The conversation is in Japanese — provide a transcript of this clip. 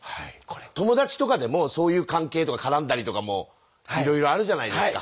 友達とかでもそういう関係とか絡んだりとかもいろいろあるじゃないですか。